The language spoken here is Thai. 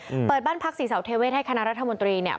อืมเปิดบ้านพักศรีเสาเทเวศให้คณะรัฐมนตรีเนี้ย